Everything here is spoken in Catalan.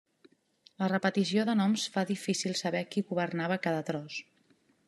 La repetició de noms fa difícil saber qui governava cada tros.